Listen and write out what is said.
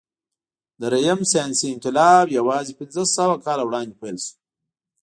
درېیم ساینسي انقلاب یواځې پنځهسوه کاله وړاندې پیل شو.